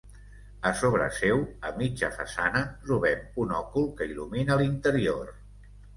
A sobre seu, a mitja façana, trobem un òcul que il·lumina l'interior.